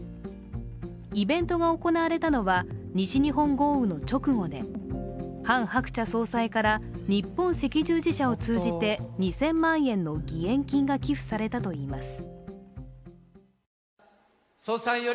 イベントが行われたのは、西日本豪雨の直後でハン・ハクチャ総裁から日本赤十字社を通じて、２０００万円の義援金が寄付されたといいます。